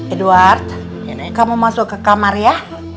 edward kamu masuk ke kamar ya